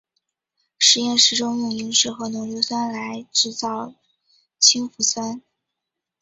实验室中用萤石和浓硫酸来制造氢氟酸。